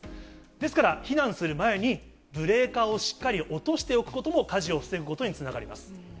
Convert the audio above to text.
ですから、避難する前にブレーカーをしっかり落としておくことも、火事を防ぐことにつながります。